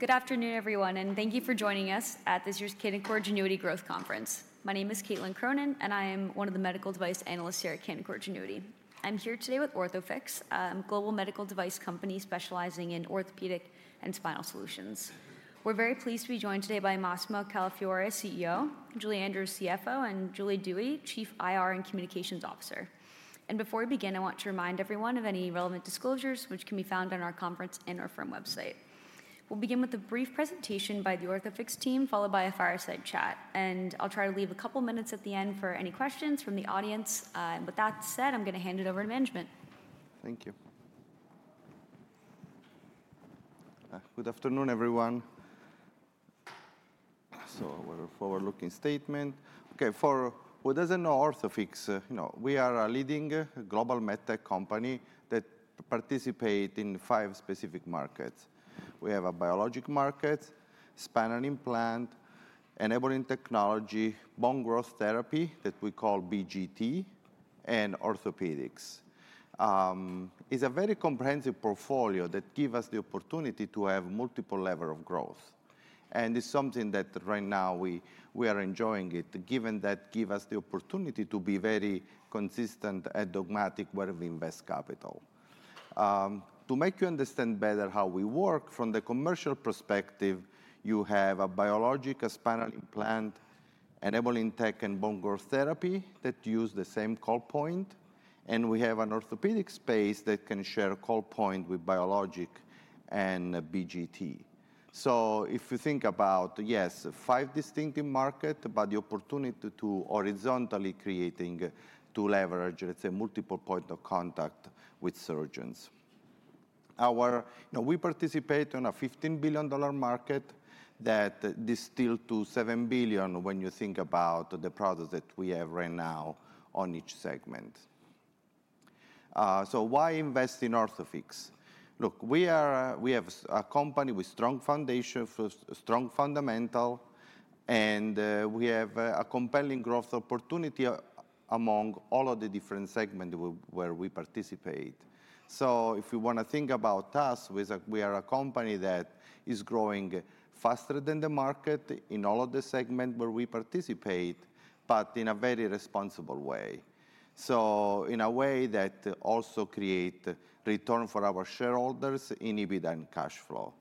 Good afternoon, everyone, and thank you for joining us at this year's Canaccord Genuity Growth Conference. My name is Caitlin Cronin, and I am one of the medical device analysts here at Canaccord Genuity. I'm here today with Orthofix, a global medical device company specializing in orthopedic and spinal solutions. We're very pleased to be joined today by Massimo Calafiore, CEO; Julie Andrews, CFO; and Julie Dewey, Chief IR and Communications Officer. Before we begin, I want to remind everyone of any relevant disclosures, which can be found on our conference and our firm website. We'll begin with a brief presentation by the Orthofix team, followed by a fireside chat, and I'll try to leave a couple minutes at the end for any questions from the audience. With that said, I'm going to hand it over to management. Thank you. Good afternoon, everyone. So we're a forward-looking statement. Okay, for who doesn't know Orthofix, you know, we are a leading global medtech company that participate in five specific markets. We have a biologic market, spinal implant, enabling technology, bone growth therapy, that we call BGT, and orthopedics. It's a very comprehensive portfolio that give us the opportunity to have multiple level of growth, and it's something that right now we, we are enjoying it, given that give us the opportunity to be very consistent and dogmatic where we invest capital. To make you understand better how we work from the commercial perspective, you have a biologic, a spinal implant, enabling tech and bone growth therapy that use the same call point, and we have an orthopedic space that can share a call point with biologic and BGT. So if you think about, yes, five distinctive markets, but the opportunity to horizontally creating to leverage, let's say, multiple points of contact with surgeons. You know, we participate on a $15 billion market that distill to $7 billion when you think about the products that we have right now on each segment. So why invest in Orthofix? Look, we have a company with strong foundation, first, strong fundamental, and we have a compelling growth opportunity among all of the different segments where we participate. So if you want to think about us, we are a company that is growing faster than the market in all of the segments where we participate, but in a very responsible way. So in a way that also create return for our shareholders in EBITDA and cash flow.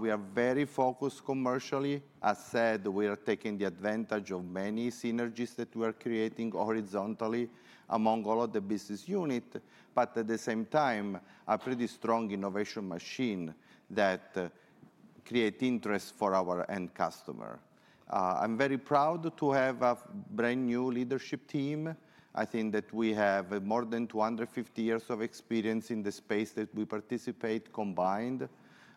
We are very focused commercially. As said, we are taking the advantage of many synergies that we are creating horizontally among all of the business unit, but at the same time, a pretty strong innovation machine that create interest for our end customer. I'm very proud to have a brand-new leadership team. I think that we have more than 250 years of experience in the space that we participate combined.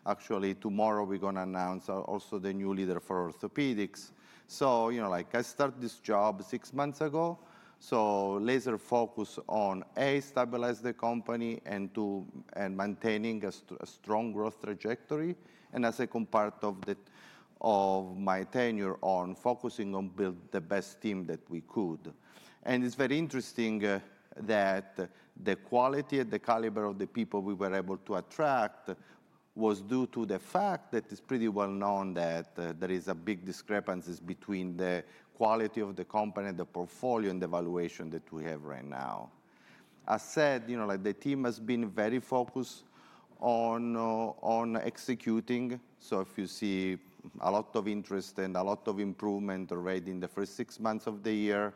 Actually, tomorrow, we're gonna announce also the new leader for Orthopedics. So, you know, like, I start this job six months ago, so laser focus on, A, stabilize the company and, two, and maintaining a strong growth trajectory, and as a second part of the- of my tenure on focusing on build the best team that we could. It's very interesting that the quality and the caliber of the people we were able to attract was due to the fact that it's pretty well known that there is a big discrepancy between the quality of the company, the portfolio, and the valuation that we have right now. As I said, you know, like, the team has been very focused on executing, so if you see a lot of interest and a lot of improvement already in the first six months of the year,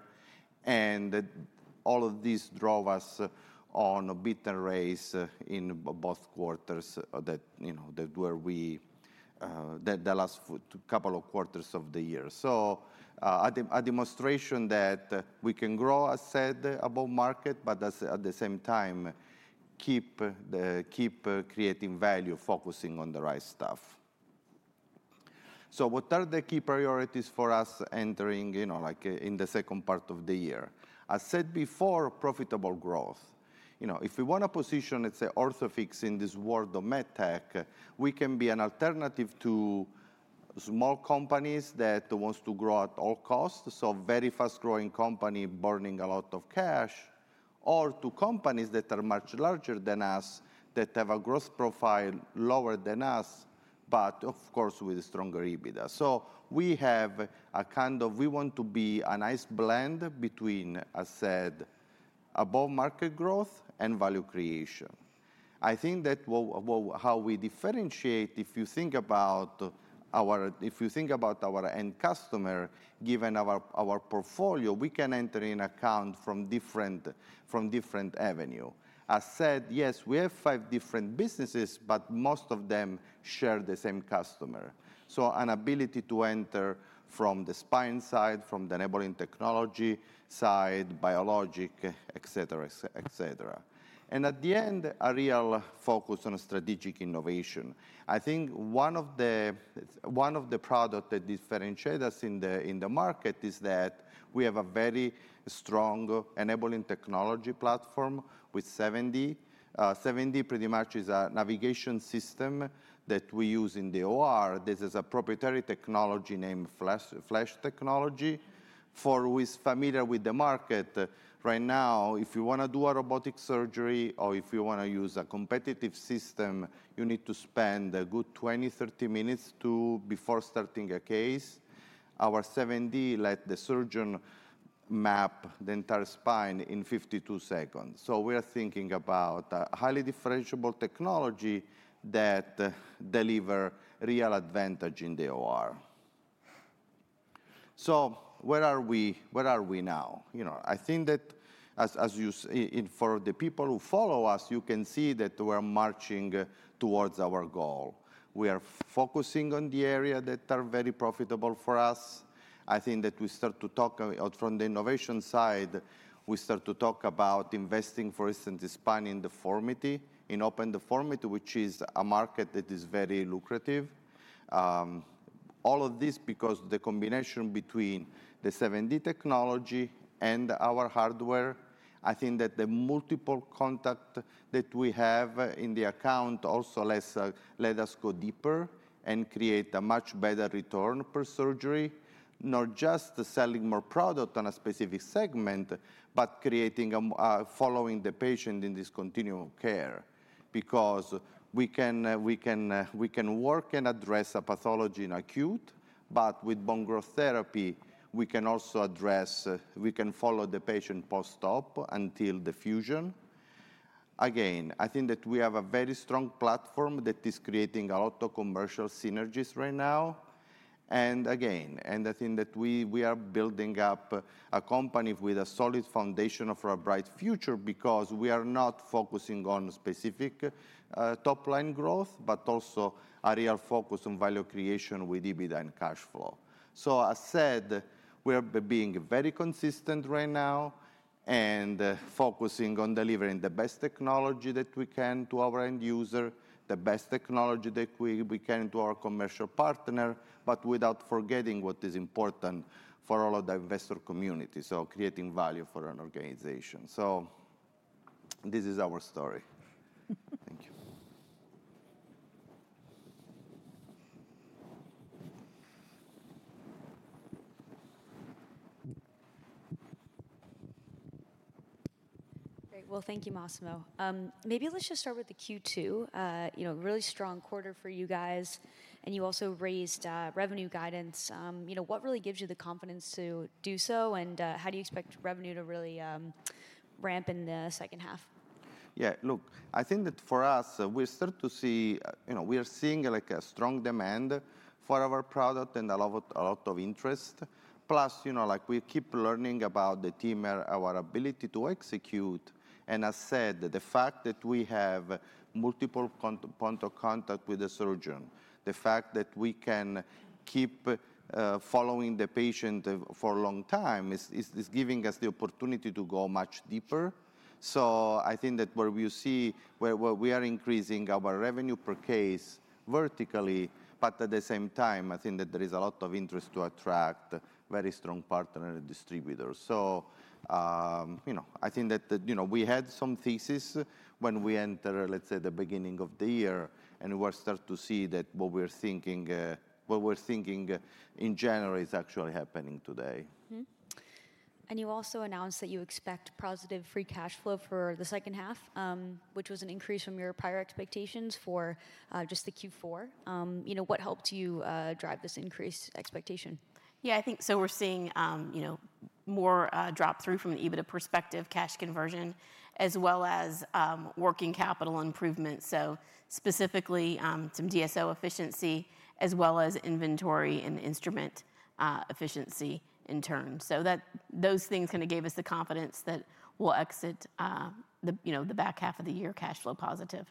and that all of this drove us on a beat and raise in both quarters, you know, that the last couple of quarters of the year. So, a demonstration that we can grow, as said, above market, but at the same time, keep creating value, focusing on the right stuff. So what are the key priorities for us entering, you know, like, in the second part of the year? I said before, profitable growth. You know, if we want to position, let's say, Orthofix in this world of med tech, we can be an alternative to small companies that wants to grow at all costs, so very fast-growing company burning a lot of cash, or to companies that are much larger than us, that have a growth profile lower than us, but of course, with stronger EBITDA. So we have a kind of we want to be a nice blend between, as said, above market growth and value creation. I think that how we differentiate, if you think about our end customer, given our portfolio, we can enter an account from different avenues. I said, yes, we have five different businesses, but most of them share the same customer. So an ability to enter from the spine side, from the enabling technology side, biologics, et cetera. At the end, a real focus on strategic innovation. I think one of the product that differentiate us in the market is that we have a very strong enabling technology platform with 7D. 7D pretty much is a navigation system that we use in the OR. This is a proprietary technology named Flash, Flash technology. For who is familiar with the market, right now, if you wanna do a robotic surgery or if you wanna use a competitive system, you need to spend a good 20-30 minutes to before starting a case. Our 7D let the surgeon map the entire spine in 52 seconds. So we are thinking about highly differentiable technology that deliver real advantage in the OR. So where are we? Where are we now? You know, I think that as you see in for the people who follow us, you can see that we are marching towards our goal. We are focusing on the area that are very profitable for us. I think that we start to talk from the innovation side, we start to talk about investing, for instance, in spine deformity, in open deformity, which is a market that is very lucrative. All of this because the combination between the 7D technology and our hardware, I think that the multiple contact that we have in the account also let us go deeper and create a much better return per surgery. Not just selling more product on a specific segment, but creating following the patient in this continuum care. Because we can work and address a pathology in acute, but with bone growth therapy, we can also address, we can follow the patient post-op until the fusion. Again, I think that we have a very strong platform that is creating a lot of commercial synergies right now. I think that we are building up a company with a solid foundation for a bright future because we are not focusing on specific top-line growth, but also a real focus on value creation with EBITDA and cash flow. So as said, we are being very consistent right now, and focusing on delivering the best technology that we can to our end user, the best technology that we can to our commercial partner, but without forgetting what is important for all of the investor community, so creating value for an organization. So this is our story. Thank you. Great. Well, thank you, Massimo. Maybe let's just start with the Q2. You know, really strong quarter for you guys, and you also raised revenue guidance. You know, what really gives you the confidence to do so, and how do you expect revenue to really ramp in the second half? Yeah, look, I think that for us, we start to see, you know, we are seeing, like, a strong demand for our product and a lot of, a lot of interest. Plus, you know, like, we keep learning about the team and our ability to execute. And as said, the fact that we have multiple points of contact with the surgeon, the fact that we can keep following the patient for a long time is giving us the opportunity to go much deeper. So I think that where we are increasing our revenue per case vertically, but at the same time, I think that there is a lot of interest to attract very strong partners and distributors. So, you know, I think that you know, we had some thesis when we enter, let's say, the beginning of the year, and we are start to see that what we were thinking in January is actually happening today. Mm-hmm. And you also announced that you expect positive Free Cash Flow for the second half, which was an increase from your prior expectations for, just the Q4. You know, what helped you drive this increased expectation? Yeah, I think so. We're seeing, you know, more drop through from an EBITDA perspective, cash conversion, as well as working capital improvement, so specifically some DSO efficiency, as well as inventory and instrument efficiency in terms. So those things kinda gave us the confidence that we'll exit the, you know, the back half of the year cash flow positive.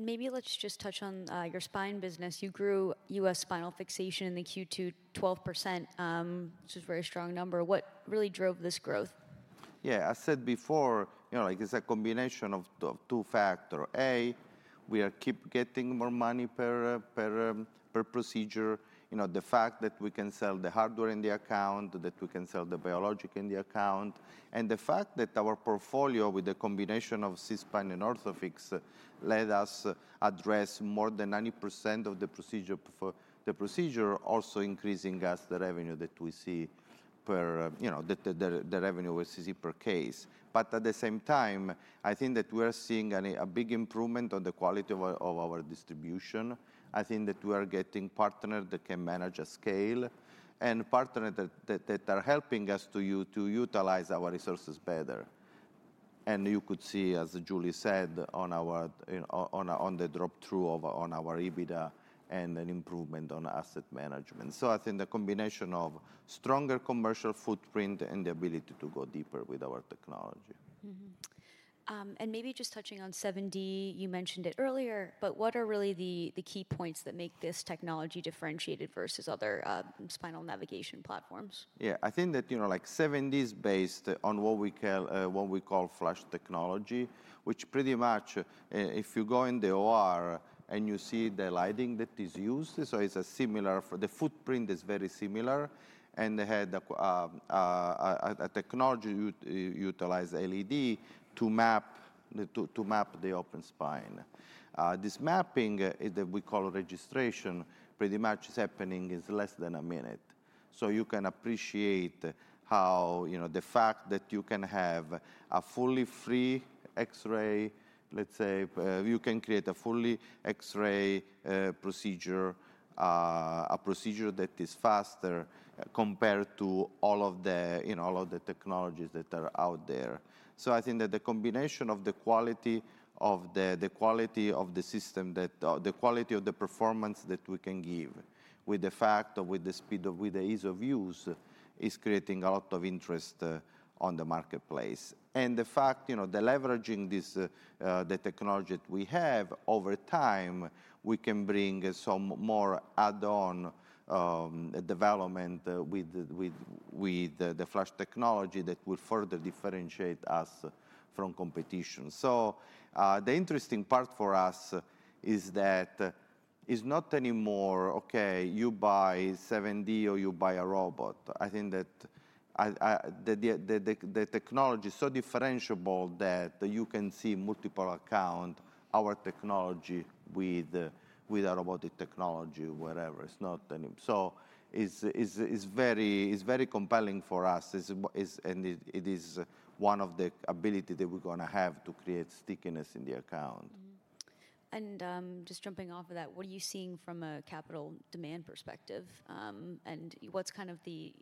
Maybe let's just touch on your spine business. You grew U.S. spinal fixation in the Q2 12%, which is a very strong number. What really drove this growth? Yeah, I said before, you know, it is a combination of two, two factor. A, we are keep getting more money per procedure. You know, the fact that we can sell the hardware in the account, that we can sell the biologic in the account, and the fact that our portfolio, with the combination of SeaSpine and Orthofix, led us address more than 90% of the procedure for the procedure, also increasing as the revenue that we see per, you know, the, the, the revenue we see per case. But at the same time, I think that we are seeing a big improvement on the quality of our, of our distribution. I think that we are getting partner that can manage a scale and partner that, that, that are helping us to utilize our resources better. You could see, as Julie said, on our drop through to our EBITDA and an improvement on asset management. So I think the combination of stronger commercial footprint and the ability to go deeper with our technology. Mm-hmm. And maybe just touching on 7D, you mentioned it earlier, but what are really the key points that make this technology differentiated versus other spinal navigation platforms? Yeah. I think that, you know, like 7D is based on what we call, what we call flash technology, which pretty much, if you go in the OR and you see the lighting that is used, so it's a similar the footprint is very similar, and it had a technology utilize LED to map the, to, to map the open spine. This mapping, that we call registration, pretty much is happening in less than a minute. So you can appreciate how, you know, the fact that you can have a fully free X-ray, let's say, you can create a fully X-ray procedure, a procedure that is faster compared to all of the, you know, all of the technologies that are out there. So I think that the combination of the quality of the system, the quality of the performance that we can give, with the speed, with the ease of use, is creating a lot of interest on the marketplace. And the fact, you know, leveraging this technology that we have over time, we can bring some more add-on development with the Flash technology that will further differentiate us from competition. So, the interesting part for us is that it's not anymore, okay, you buy 7D or you buy a robot. I think that the technology is so differentiable that you can see multiple accounts, our technology with our robotic technology, whatever. So it is very compelling for us, and it is one of the ability that we're gonna have to create stickiness in the account. Mm-hmm. And, just jumping off of that, what are you seeing from a capital demand perspective? And what's kind of the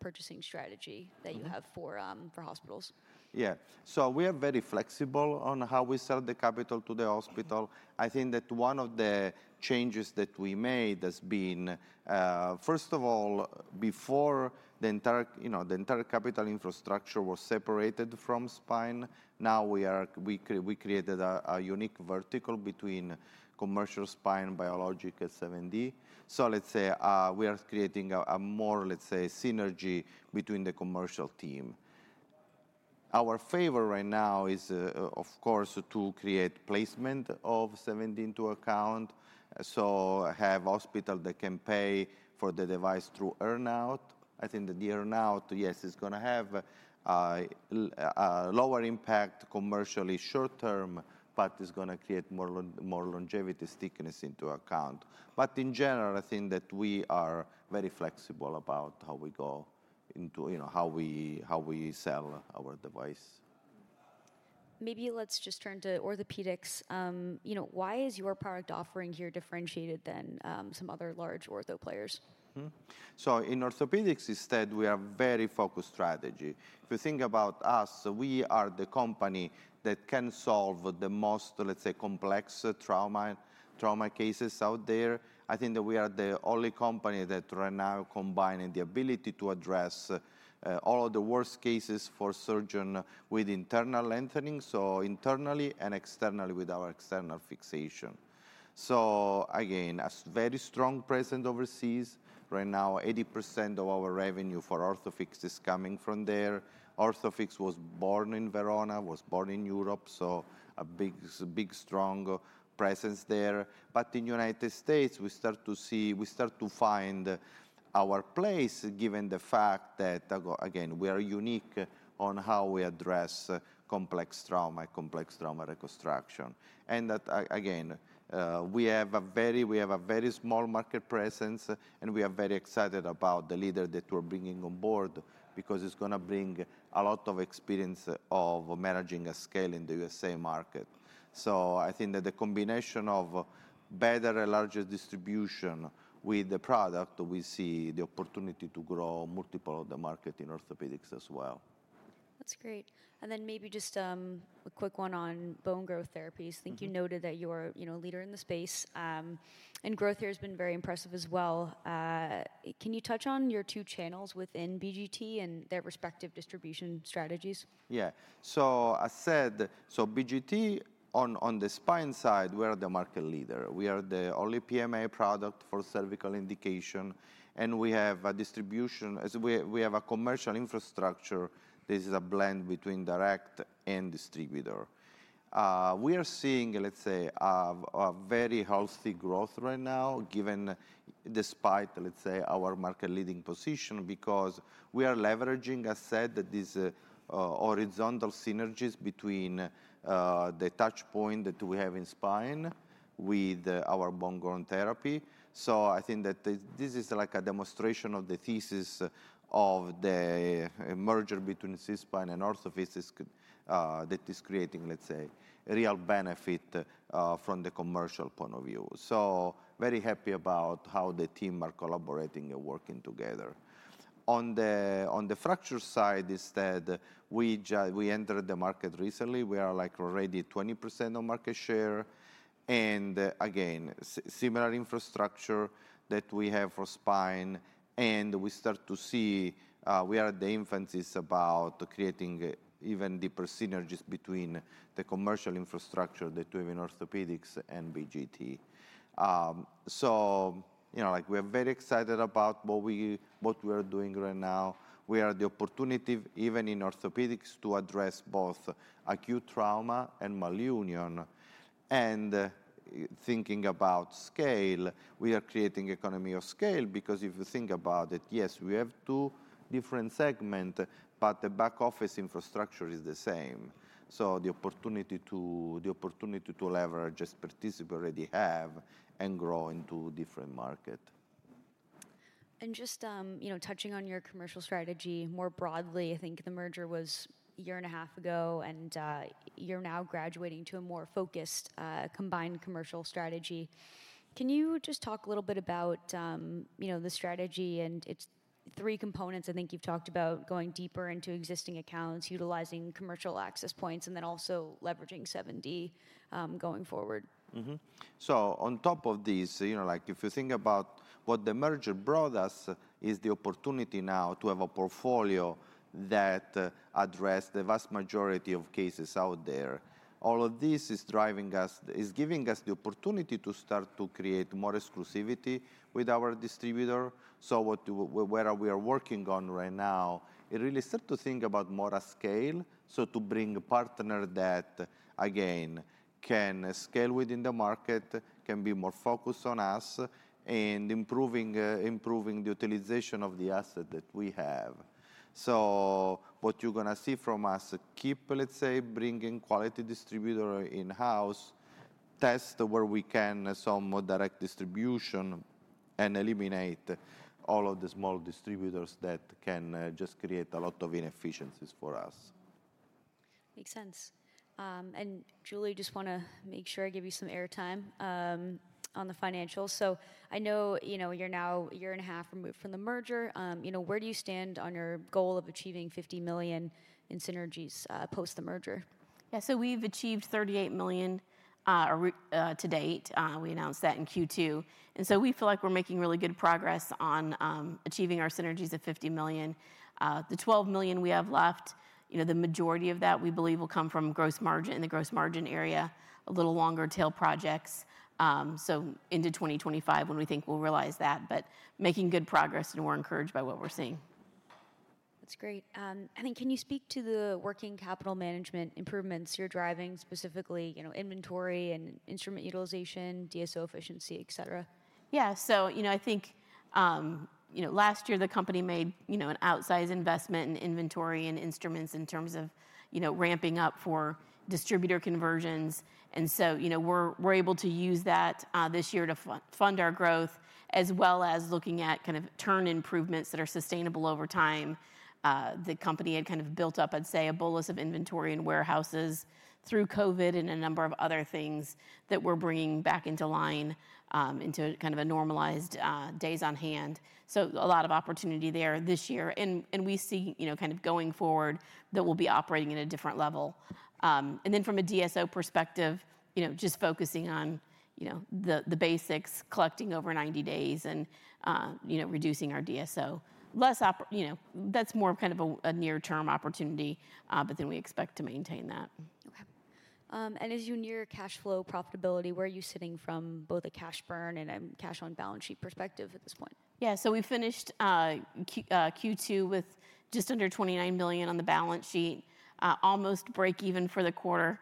purchasing strategy- Mm-hmm... that you have for, for hospitals? Yeah. So we are very flexible on how we sell the capital to the hospital. I think that one of the changes that we made has been, first of all, before the entire, you know, the entire capital infrastructure was separated from spine. Now we created a unique vertical between commercial spine, biologic, and 7D. So let's say, we are creating a more, let's say, synergy between the commercial team. Our favor right now is, of course, to create placement of 7D into account, so have hospital that can pay for the device through earn-out. I think that the earn-out, yes, it's gonna have a lower impact commercially short term, but it's gonna create more longevity stickiness into account. But in general, I think that we are very flexible about how we go into, you know, how we sell our device. Maybe let's just turn to orthopedics. You know, why is your product offering here differentiated than some other large ortho players? Mm-hmm. So in orthopedics instead, we are very focused strategy. If you think about us, we are the company that can solve the most, let's say, complex trauma, trauma cases out there. I think that we are the only company that right now combining the ability to address all of the worst cases for surgeon with internal lengthening, so internally and externally with our external fixation. So again, a very strong presence overseas. Right now, 80% of our revenue for Orthofix is coming from there. Orthofix was born in Verona, was born in Europe, so a big, big, strong presence there. But in United States, we start to see- we start to find our place, given the fact that, again, we are unique on how we address complex trauma, complex trauma reconstruction. And that, again, we have a very small market presence, and we are very excited about the leader that we're bringing on board because it's gonna bring a lot of experience of managing a scale in the U.S.A. market. So I think that the combination of better and larger distribution with the product, we see the opportunity to grow multiple of the market in orthopedics as well. That's great. And then maybe just a quick one on Bone Growth Therapies. Mm-hmm. I think you noted that you're, you know, a leader in the space, and growth here has been very impressive as well. Can you touch on your two channels within BGT and their respective distribution strategies? Yeah. So I said, so BGT, on, on the spine side, we are the market leader. We are the only PMA product for cervical indication, and we have a distribution. As we, we have a commercial infrastructure, this is a blend between direct and distributor. We are seeing, let's say, a, a very healthy growth right now, given despite, let's say, our market leading position, because we are leveraging, I said, these, horizontal synergies between, the touch point that we have in spine with our bone grown therapy. So I think that this, this is like a demonstration of the thesis of the merger between SeaSpine and Orthofix, that is creating, let's say, a real benefit, from the commercial point of view. So very happy about how the team are collaborating and working together. On the fracture side, instead, we entered the market recently. We are, like, already 20% of market share, and again, similar infrastructure that we have for spine, and we start to see we are at the infancy about creating even deeper synergies between the commercial infrastructure that we have in orthopedics and BGT. So you know, like, we're very excited about what we, what we are doing right now. We are the opportunity, even in orthopedics, to address both acute trauma and malunion. And thinking about scale, we are creating economy of scale because if you think about it, yes, we have two different segment, but the back office infrastructure is the same. So the opportunity to, the opportunity to leverage expertise we already have and grow into different market.... And just, you know, touching on your commercial strategy more broadly, I think the merger was a year and a half ago, and, you're now graduating to a more focused, combined commercial strategy. Can you just talk a little bit about, you know, the strategy and its three components? I think you've talked about going deeper into existing accounts, utilizing commercial access points, and then also leveraging 7D, going forward. Mm-hmm. So on top of this, you know, like, if you think about what the merger brought us, is the opportunity now to have a portfolio that address the vast majority of cases out there. All of this is giving us the opportunity to start to create more exclusivity with our distributor. So where we are working on right now, it really start to think about more a scale, so to bring a partner that, again, can scale within the market, can be more focused on us, and improving the utilization of the asset that we have. So what you're gonna see from us, keep, let's say, bringing quality distributor in-house, test where we can some more direct distribution, and eliminate all of the small distributors that can just create a lot of inefficiencies for us. Makes sense. Julie, just wanna make sure I give you some air time on the financials. I know, you know, you're now a year and a half removed from the merger. You know, where do you stand on your goal of achieving $50 million in synergies post the merger? Yeah, so we've achieved $38 million to date. We announced that in Q2. And so we feel like we're making really good progress on achieving our synergies of $50 million. The $12 million we have left, you know, the majority of that, we believe, will come from gross margin, in the gross margin area, a little longer-tail projects, so into 2025 when we think we'll realize that. But making good progress, and we're encouraged by what we're seeing. That's great. And then, can you speak to the working capital management improvements you're driving, specifically, you know, inventory and instrument utilization, DSO efficiency, et cetera? Yeah. So, you know, I think, last year the company made, you know, an outsized investment in inventory and instruments in terms of, you know, ramping up for distributor conversions. And so, you know, we're able to use that, this year to fund our growth, as well as looking at kind of turn improvements that are sustainable over time. The company had kind of built up, I'd say, a bolus of inventory and warehouses through COVID and a number of other things that we're bringing back into line, into kind of a normalized, days on hand. So a lot of opportunity there this year. And we see, you know, kind of going forward, that we'll be operating at a different level. And then from a DSO perspective, you know, just focusing on, you know, the basics, collecting over 90 days and, you know, reducing our DSO. That's more of kind of a near-term opportunity, but then we expect to maintain that. Okay. As you near cash flow profitability, where are you sitting from both a cash burn and cash on balance sheet perspective at this point? Yeah. So we finished Q2 with just under $29 million on the balance sheet. Almost break even for the quarter.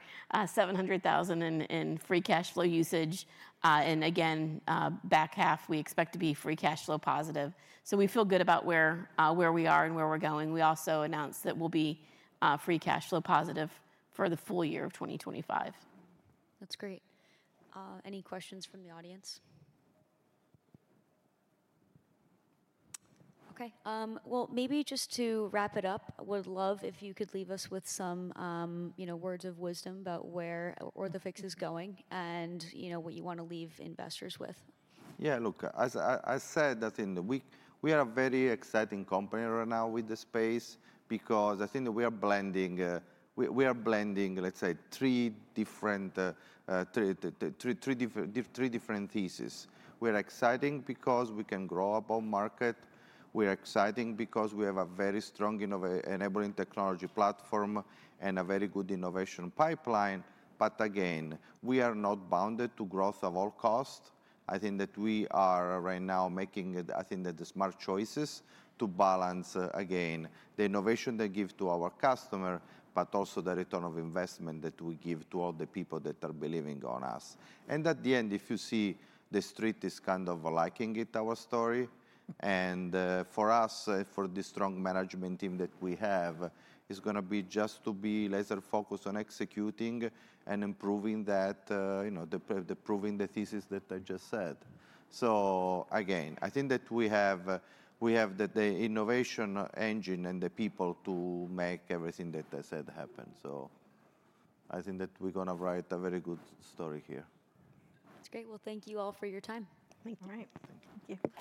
Seven hundred thousand in free cash flow usage. And again, back half, we expect to be free cash flow positive. So we feel good about where we are and where we're going. We also announced that we'll be free cash flow positive for the full year of 2025. That's great. Any questions from the audience? Okay, well, maybe just to wrap it up, would love if you could leave us with some, you know, words of wisdom about where Orthofix is going, and you know, what you wanna leave investors with. Yeah, look, as I said, I think we are a very exciting company right now with the space because I think we are blending, we are blending, let's say, three different thesis. We're exciting because we can grow above market. We're exciting because we have a very strong innovation-enabling technology platform and a very good innovation pipeline. But again, we are not bounded to growth of all cost. I think that we are right now making the smart choices to balance, again, the innovation that give to our customer, but also the return of investment that we give to all the people that are believing on us. And at the end, if you see, the street is kind of liking it, our story. And, for us, for the strong management team that we have, is gonna be just to be laser focused on executing and improving that, you know, proving the thesis that I just said. So again, I think that we have the innovation engine and the people to make everything that I said happen. So I think that we're gonna write a very good story here. That's great. Well, thank you all for your time. Thank you. All right. Thank you.